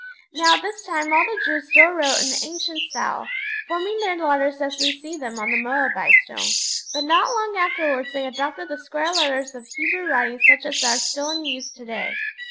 Now at this time all the Jews still wrote in the ancient style, forming their letters as we see them on the Moabite Stone; but not long afterwards they adopted the square letters of Hebrew writing such as are still in use to day.